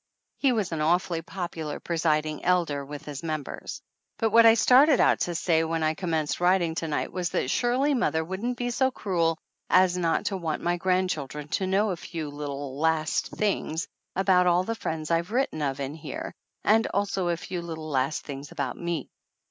He was an awfully popular presiding elder with his members. But what I started out to say when I com menced writing to night was that surely mother wouldn't be so cruel as not to want my grandchildren to know a few little last things about all the friends I've written of in here, and also a few little last things about me.